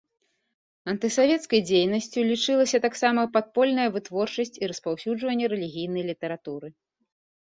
Антысавецкай дзейнасцю лічылася таксама падпольная вытворчасць і распаўсюджванне рэлігійнай літаратуры.